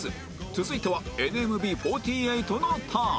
続いては ＮＭＢ４８ のターン